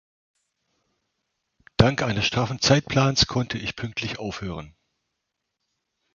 Dank eines straffen Zeitplans konnte ich pünktlich aufhören.